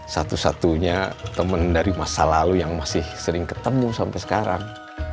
satu satunya teman dari masa lalu yang masih sering ketemu sampai sekarang